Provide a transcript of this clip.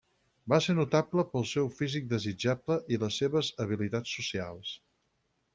Va ser notable pel seu físic desitjable i les seves habilitats socials.